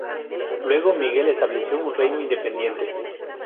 Luego, Miguel estableció un reino independiente.